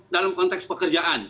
dalam konteks pekerjaan